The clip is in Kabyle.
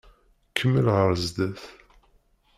Kemmel ɣer zdat.